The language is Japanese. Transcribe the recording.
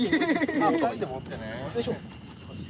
２人で持ってね。